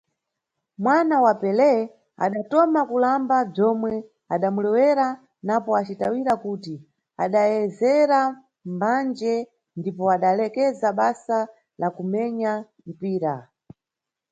Mwana wa Pelé adatoma kulamba bzwomwe adamulewera napo acitawira kuti adayezera mbandje ndipo adalekeza basa la kumenya mpira.